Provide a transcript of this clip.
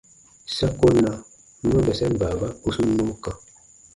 Sa ko na ma bɛsɛn baaba u sun nɔɔ kã.